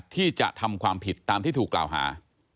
ที่จะทำความผิดตามที่ถูกกล่าวหา